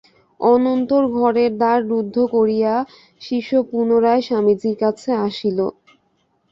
অনন্তর ঘরের দ্বার রুদ্ধ করিয়া শিষ্য পুনরায় স্বামীজীর কাছে আসিল।